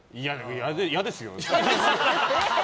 嫌ですよ。